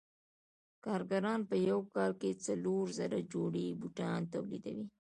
کارګران په یو کال کې څلور زره جوړې بوټان تولیدوي